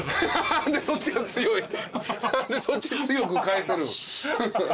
何でそっち強く返せる？